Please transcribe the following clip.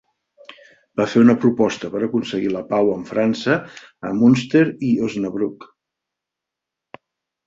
Va fer una proposta per aconseguir la pau amb França a Münster i Osnabrück.